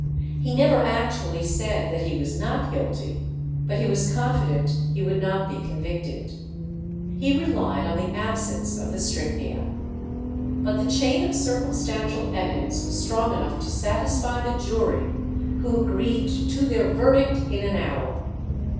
He never actually said that he was not guilty, but he was confident he would not be convicted. He relied on the absence of the strychnia. But the chain of circumstantial evidence was strong enough to satisfy the jury, who agreed to their verdict in an hour.